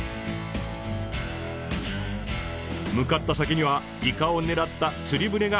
向かった先にはイカを狙った釣り船が。